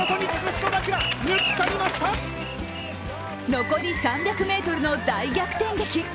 残り３００ｍの大逆転劇。